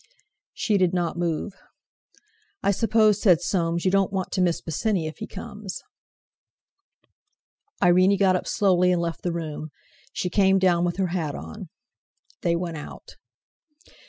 She did not move. "I suppose," said Soames, "you don't want to miss Bosinney if he comes!" Irene got up slowly and left the room. She came down with her hat on. They went out.